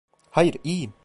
Hayır, iyiyim.